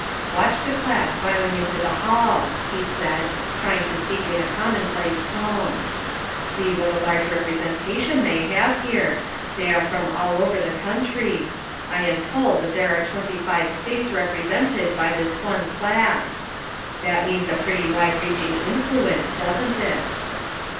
"Watch the class filing into the hall," he said, trying to speak in a commonplace tone. "See what a large representation they have here; they are from all over the country, I FOUR MOTHERS AT CHAUTAUQUA 285 am told that there are twenty five States rep resented by this one class. That means a pretty wide reaching influence, doesn't it?"